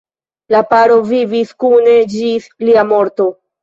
La paro vivis kune ĝis lia morto.